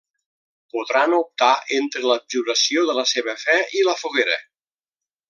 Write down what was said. Podran optar entre l'abjuració de la seva fe i la foguera.